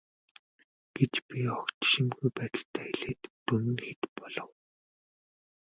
гэж би огт жишимгүй байдалтай хэлээд дүн нь хэд болов.